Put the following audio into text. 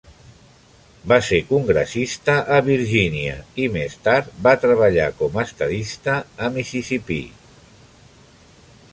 Va ser congressista a Virginia, i més tard va treballar com a estadista a Mississipí.